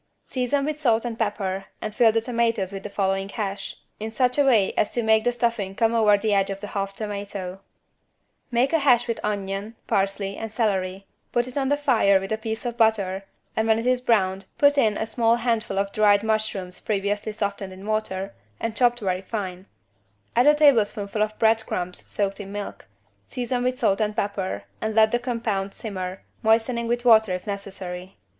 Season with salt and pepper and fill the tomatoes with the following hash, in such a way as to make the stuffing come over the edge of the half tomato: Make a hash with onion, parsley and celery, put it on the fire with a piece of butter and when it is browned, put in a small handful of dried mushrooms previously softened in water and chopped very fine: add a tablespoonful of bread crumbs soaked in milk, season with salt and pepper and let the compound simmer, moistening with water if necessary.